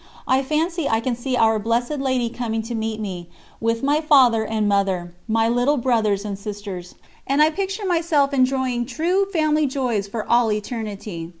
I fancy I can see Our Blessed Lady coming to meet me, with my Father and Mother, my little brothers and sisters; and I picture myself enjoying true family joys for all eternity.